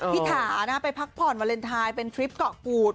ถาไปพักผ่อนวาเลนไทยเป็นทริปเกาะกูด